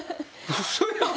嘘やん。